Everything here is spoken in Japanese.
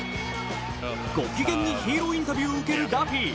ごきげんにヒーローインタビューを受けるダフィー。